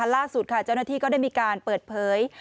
ล่าสุดค่ะเจ้าหน้าที่ก็ได้มีการเปิดเผย